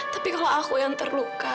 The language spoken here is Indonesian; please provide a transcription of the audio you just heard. tapi kalau aku yang terluka